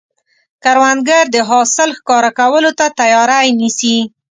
کروندګر د حاصل ښکاره کولو ته تیاری نیسي